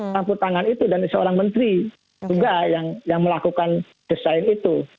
lampu tangan itu dan seorang menteri juga yang melakukan desain itu